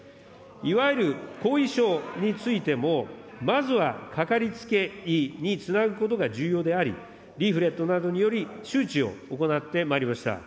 いわゆる後遺症についても、まずはかかりつけ医につなぐことが重要であり、リーフレットなどにより、周知を行ってまいりました。